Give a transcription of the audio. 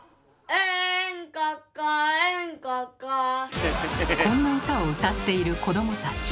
うんこっここんな歌を歌っている子どもたち。